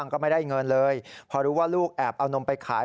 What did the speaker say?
โปรมาตรศัพท์สวรรค์จัส์ครับ